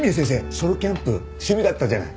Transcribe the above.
ソロキャンプ趣味だったじゃない。